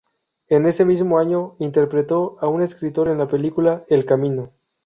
En ese mismo año interpretó a un escritor en la película "El camino".